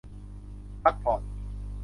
พักผ่อน